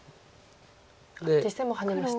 実戦もハネました。